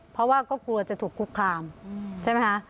เพราะว่าก็กลัวจะถูกคุกคามใช่ไหมคะ